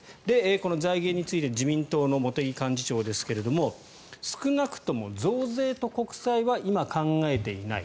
この財源について自民党の茂木幹事長ですけれども少なくとも増税と国債は今、考えていない。